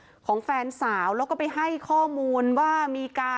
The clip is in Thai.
ปืนมันลั่นไปใส่แฟนสาวเขาก็ยังยันกับเราเหมือนเดิมแบบนี้นะคะ